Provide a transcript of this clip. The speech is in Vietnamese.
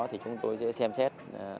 thì chúng tôi sẽ xem xét